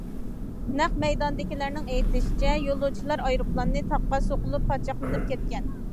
نەق مەيداندىكىلەرنىڭ ئېيتىشىچە، يولۇچىلار ئايروپىلانى تاغقا سوقۇلۇپ پاچاقلىنىپ كەتكەن.